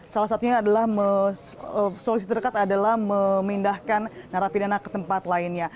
salah satunya adalah solusi terdekat adalah memindahkan narapidana ke tempat lainnya